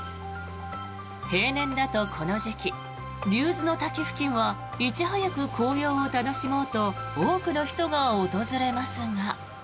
平年だとこの時期竜頭の滝付近はいち早く紅葉を楽しもうと多くの人が訪れますが。